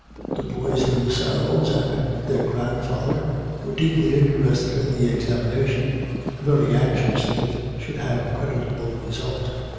The boys themselves, and their grandfather, were deeply interested in the examination, and very anxious that it should have a creditable result.